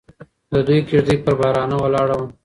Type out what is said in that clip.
د دوی کږدۍ پر بارانه ولاړه وه.